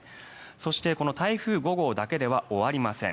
そして、台風５号だけでは終わりません。